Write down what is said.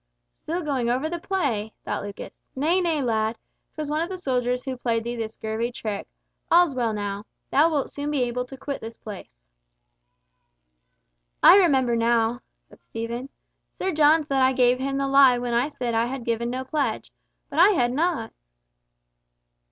"Still going over the play!" thought Lucas. "Nay, nay, lad. 'Twas one of the soldiers who played thee this scurvy trick! All's well now. Thou wilt soon be able to quit this place." "I remember now," said Stephen, "Sir John said I gave him the lie when I said I had given no pledge. But I had not!"